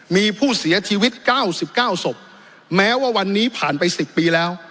มีผู้เสียชีวิต๙๙ศพแม้ว่าวันนี้ผ่านไป๑๐ปีแล้ว